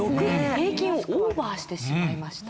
平均をオーバーしてしまいました。